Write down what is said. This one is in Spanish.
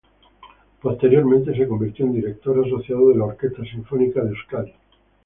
Posteriormente, se convirtió en director asociado de la Orquesta Sinfónica de Euskadi.